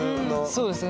そうですね。